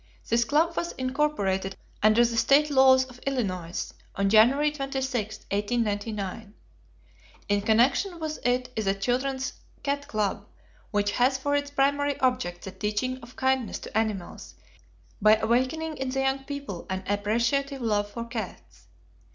This club was incorporated under the state laws of Illinois, on January 26, 1899. In connection with it is a children's cat club, which has for its primary object the teaching of kindness to animals by awakening in the young people an appreciative love for cats.